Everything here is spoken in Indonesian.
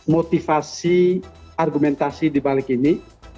motivasi argumentasi di balik ini